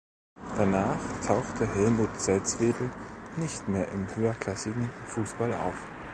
Danach tauchte Helmut Salzwedel nicht mehr im höherklassigen Fußball auf.